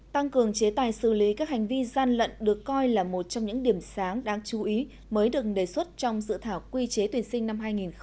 tăng cường chế tài xử lý các hành vi gian lận được coi là một trong những điểm sáng đáng chú ý mới được đề xuất trong dự thảo quy chế tuyển sinh năm hai nghìn hai mươi